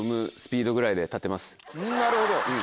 なるほど。